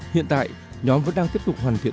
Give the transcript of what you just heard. hiện tại nhóm vẫn đang tiếp tục hoàn thiện